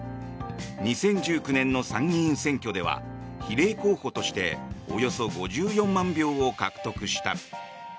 ２０１９年の参議院選挙では比例候補としておよそ５４万票を獲得した。